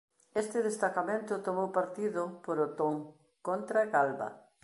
Este destacamento tomou partido por Otón contra Galba.